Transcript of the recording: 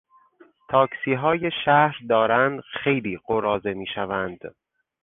تاکسیهای شهر دارند خیلی قراضه میشوند.